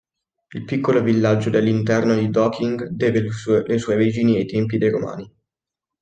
Il piccolo villaggio dell'interno di Docking deve le sue origini ai tempi dei romani.